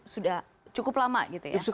sudah cukup lama gitu ya